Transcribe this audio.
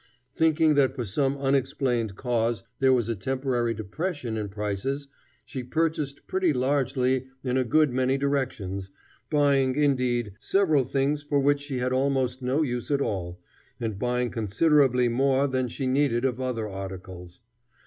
Thinking that for some unexplained cause there was a temporary depression in prices, she purchased pretty largely in a good many directions, buying, indeed, several things for which she had almost no use at all, and buying considerably more than she needed of other articles.